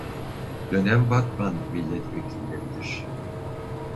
Dönem Batman milletvekilleridir.